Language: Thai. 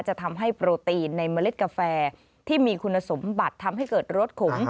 จะทำให้โปรตีนในเมล็ดกาแฟที่มีคุณสมบัติทำให้เกิดรสขม